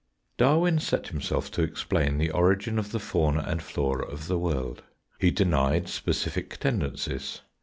Darwin set himself to explain the origin of the fauna and flora of the world. He denied specific tendencies.